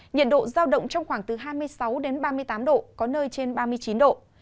nhiệt độ giao động trong khoảng từ hai mươi sáu đến ba mươi tám độ có nơi trên ba mươi chín độ